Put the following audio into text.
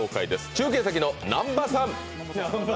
中継先の南波さん。